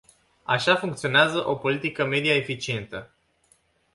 Așa funcționează o politică media eficientă.